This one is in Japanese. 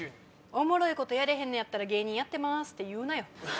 おもろいことやれへんねやったら芸人やってますって言うなよ。